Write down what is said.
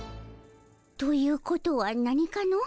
ということはなにかの？